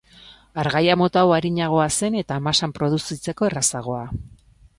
Hargailu mota hau arinagoa zen eta masan produzitzeko errazagoa.